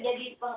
dia kan dilakukan